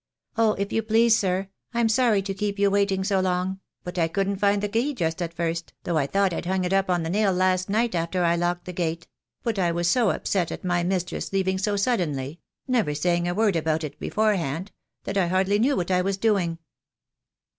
" Oh, if you please, sir, I'm sorry to keep you waiting so long, but I couldn't find the key just at first, though I thought I'd hung it up on the nail last night after I locked the gate — but I was so upset at my mistress leaving so suddenly — never saying a word about it before hand— that I hardly knew what I was doing."